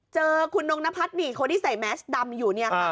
เจอคุณน้องนพัดนี่คนที่ใส่แมชดำอยู่